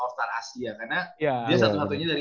off star asia karena dia satu satunya dari